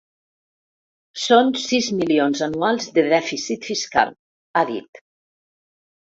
Són sis mil milions anuals de dèficit fiscal, ha dit .